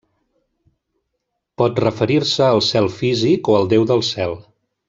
Pot referir-se al cel físic o al Déu del cel.